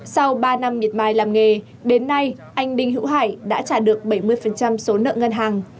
sau ba năm miệt mài làm nghề đến nay anh đinh hữu hải đã trả được bảy mươi số nợ ngân hàng